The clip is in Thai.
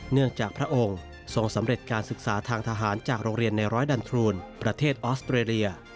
เนื่องจากพระองค์ทรงสำเร็จการศึกษาทางทหารจากโรงเรียนในร้อยดันทรูนประเทศออสเตรเลีย